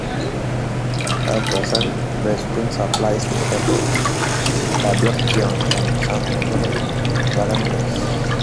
At present, the spring supplies water into Poblacion and some neighboring barangays.